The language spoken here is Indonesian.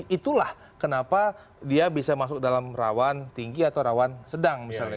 jadi itulah kenapa dia bisa masuk dalam rawan tinggi atau rawan sedang misalnya